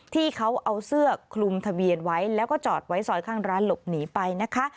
ที่เขาเอาเสื้อคลุมทะเบียนไว้แล้วก็จอดไว้ซอยข้างร้านหลบหนีไปนะคะ